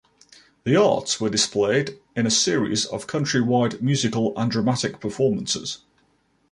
The arts were displayed in a series of country-wide musical and dramatic performances.